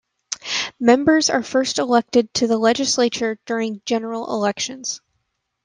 Members are first elected to the legislature during general elections.